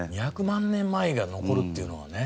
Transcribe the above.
２００万年前が残るっていうのがね。